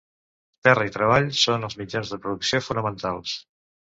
Terra i treball són els mitjans de producció fonamentals.